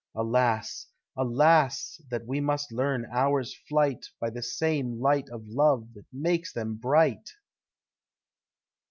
Alas, alas! that we must learn hours' flight By the same light of love that makes them bright!